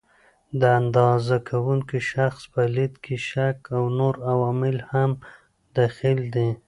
د اندازه کوونکي شخص په لید کې شک او نور عوامل هم دخیل دي.